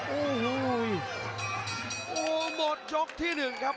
โอ้โหหมดยกที่หนึ่งครับ